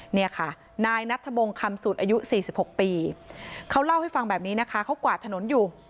เนี่ยค่ะนายนัทธบงคำสุดอายุ๔๖ปีเขาเล่าให้ฟังแบบนี้นะคะเขากวาดถนนอยู่